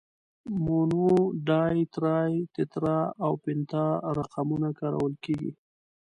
مونو، ډای، ترای، تترا او پنتا رقمونه کارول کیږي.